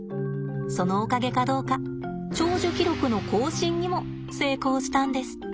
そのおかげかどうか長寿記録の更新にも成功したんですって。